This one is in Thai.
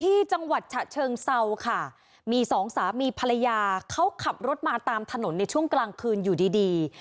ที่จังหวัดฉะเชิงเซาค่ะมีสองสามีภรรยาเขาขับรถมาตามถนนในช่วงกลางคืนอยู่ดีดี